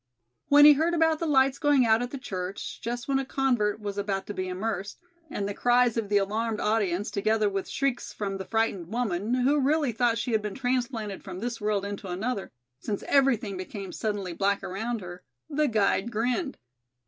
When he heard about the lights going out at the church, just when a convert was about to be immersed, and the cries of the alarmed audience, together with shrieks from the frightened woman, who really thought she had been transplanted from this world into another, since everything became suddenly black around her, the guide grinned.